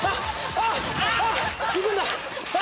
あっ。